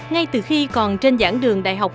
ngay từ khi còn trên dãn đường đại học